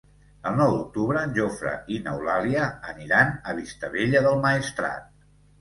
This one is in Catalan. El nou d'octubre en Jofre i n'Eulàlia aniran a Vistabella del Maestrat.